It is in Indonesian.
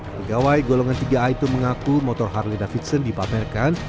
pegawai golongan tiga a itu mengaku motor harley davidson dipamerkan